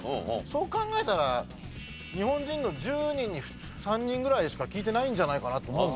そう考えたら日本人の１０人に３人ぐらいしか聴いてないんじゃないかなと思う。